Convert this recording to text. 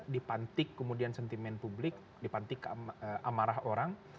dipantik kemudian sentimen publik dipantik amarah orang